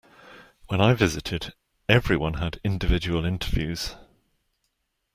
When I visited everyone had individual interviews.